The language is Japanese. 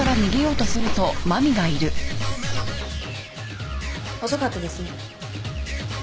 遅かったですね。